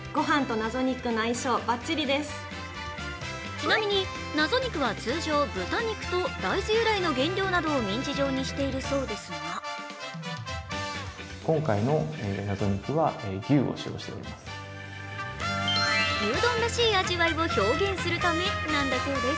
ちなみに、謎肉は通常、豚肉と大豆由来の原料などをミンチ状にしているそうですが牛丼らしい味わいを表現するためなんだそうです。